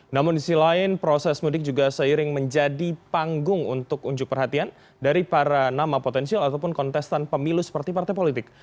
namun di sisi lain proses mudik juga seiring menjadi panggung untuk unjuk perhatian dari para nama potensial ataupun kontestan pemilu seperti partai politik